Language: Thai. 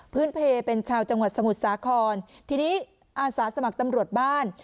เพลเป็นชาวจังหวัดสมุทรสาครทีนี้อาสาสมัครตำรวจบ้าน